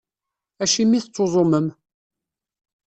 Acimi i tettuẓumem?